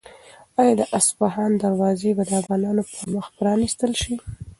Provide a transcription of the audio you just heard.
آیا د اصفهان دروازې به د افغانانو پر مخ پرانیستل شي؟